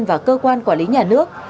và cơ quan quản lý nhà nước